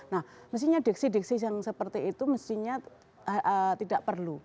nah mestinya diksi diksi yang seperti itu mestinya tidak perlu